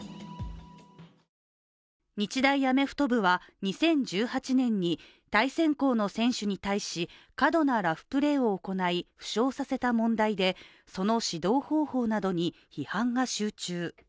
日大アメフト部は２０１８年に対戦校の選手に対し過度なラフプレーを行い負傷させた問題でその指導方法などに批判が集中。